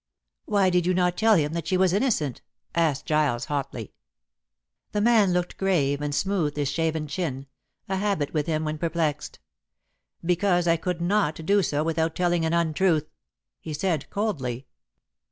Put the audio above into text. "Why did you not tell him that she was innocent?" asked Giles hotly. The man looked grave and smoothed his shaven chin a habit with him when perplexed. "Because I could not do so without telling an untruth," he said coldly.